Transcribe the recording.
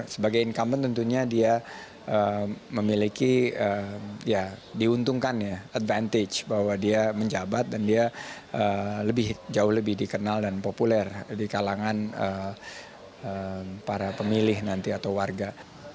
sebagai incumbent tentunya dia memiliki ya diuntungkan ya advantage bahwa dia menjabat dan dia jauh lebih dikenal dan populer di kalangan para pemilih nanti atau warga